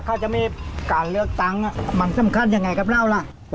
ถ้าจะมีการเลือกตั้งมันสำคัญยังไงกับเราล่ะ